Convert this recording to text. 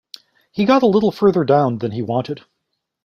He got a little further down than he wanted.